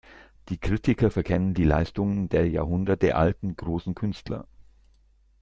Die Kritiker verkennen die Leistungen der jahrhundertealten, großen Künstler.